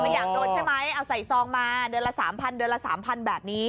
อยากโดนใช่ไหมเอาใส่ซองมาเดือนละ๓๐๐เดือนละ๓๐๐แบบนี้